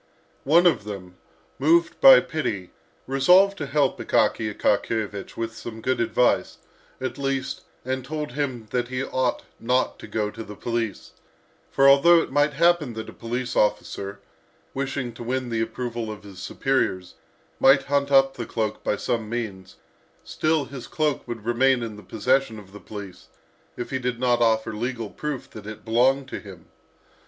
One of them, moved by pity, resolved to help Akaky Akakiyevich with some good advice, at least, and told him that he ought not to go to the police, for although it might happen that a police officer, wishing to win the approval of his superiors, might hunt up the cloak by some means, still, his cloak would remain in the possession of the police if he did not offer legal proof that it belonged to him.